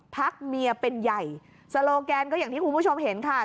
พักเมียเป็นใหญ่โซโลแกนก็อย่างที่คุณผู้ชมเห็นค่ะ